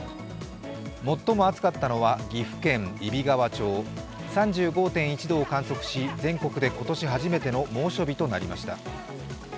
最も暑かったのは、岐阜県揖斐川町３５．１度を観測し全国で今年初めての猛暑日となりました。